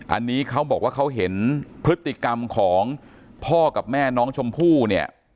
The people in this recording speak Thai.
อันนี้เขาบอกว่าเขาเห็นพฤติกรรมของพ่อกับแม่น้องชมพู่เนี่ย